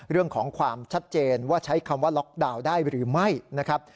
เรื่องของความชัดเจนว่าใช้คำว่าล็อกดาวน์ได้หรือไม่นะครับ